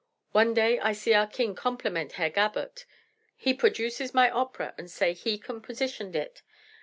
One day I see our king compliment Herr Gabert. He produces my opera unt say he compositioned it.